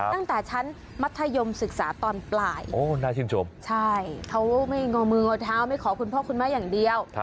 ตั้งแต่ชั้นมัธยมศึกษาตอนปลายโอ้น่าชื่นชมใช่เขาไม่งอมืองอเท้าไม่ขอคุณพ่อคุณแม่อย่างเดียว